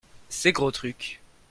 Ces gros trucs.